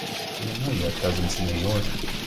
Didn't know you had cousins in New York.